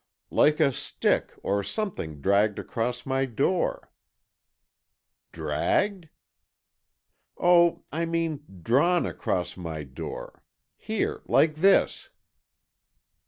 "Like a stick or something dragged across my door." "Dragged?" "Oh, I mean, drawn across my door,—here, like this."